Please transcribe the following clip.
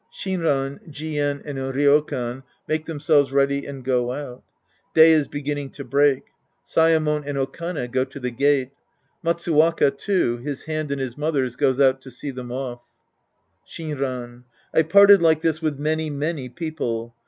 (Shixran, Jien and Ryokan make themselves ready and go Old. Day is beginning to break. Saemon and Okane go to the gate. Matsuwaka, too, his hand in his mothet's, goes out to see them off.) Shinran. I've parted like this with many, many people.